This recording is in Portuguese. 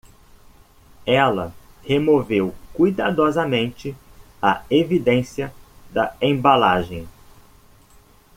Ela removeu cuidadosamente a evidência da embalagem.